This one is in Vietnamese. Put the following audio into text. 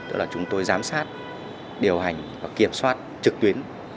tức là chúng tôi giám sát điều hành và kiểm soát trực tuyến